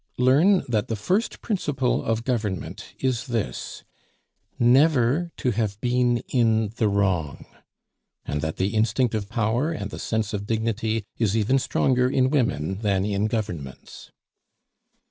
Learn that the first principle of government is this never to have been in the wrong, and that the instinct of power and the sense of dignity is even stronger in women than in governments."